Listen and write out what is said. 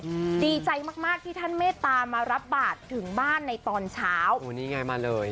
อืมดีใจมากมากที่ท่านเมตตามารับบาทถึงบ้านในตอนเช้าโอ้นี่ไงมาเลย